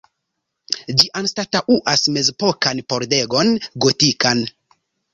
Ĝi anstataŭas mezepokan pordegon gotikan.